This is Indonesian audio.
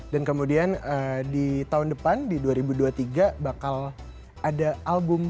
dan kemudian di tahun depan di dua ribu dua puluh tiga bakal ada album